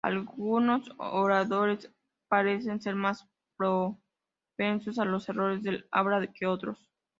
Algunos oradores parecen ser más propensos a los errores del habla que otros.